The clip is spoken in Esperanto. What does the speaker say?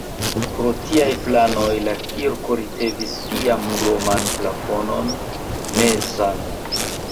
Pro tiaj planoj la kirko ricevis iam kroman plafonon mezan.